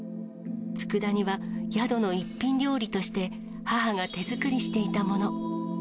つくだ煮は宿の一品料理として、母が手作りしていたもの。